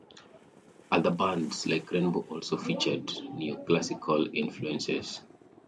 Other bands, like Rainbow also featured neoclassical influences.